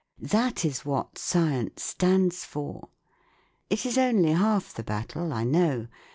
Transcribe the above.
That is what science stands for. It is only half the battle, I know.